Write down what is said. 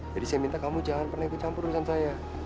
jadi saya minta kamu jangan pernah ikut campur urusan saya